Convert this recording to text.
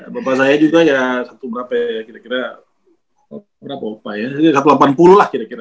bapak saya juga ya satu berapa ya kira kira berapa ya satu ratus delapan puluh lah kira kira